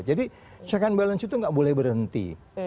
jadi cek and balance itu nggak boleh berhenti